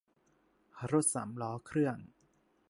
รถสามล้อเครื่อง